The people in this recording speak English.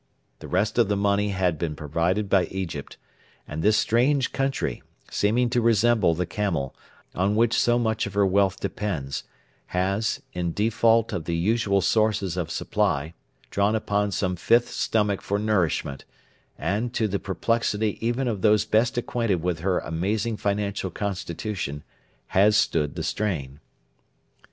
The rest of the money has been provided by Egypt; and this strange country, seeming to resemble the camel, on which so much of her wealth depends, has, in default of the usual sources of supply, drawn upon some fifth stomach for nourishment, and, to the perplexity even of those best acquainted with her amazing financial constitution, has stood the strain.